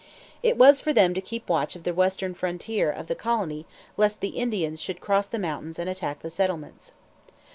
It was for them to keep watch of the western frontier of the colony lest the Indians should cross the mountains and attack the settlements.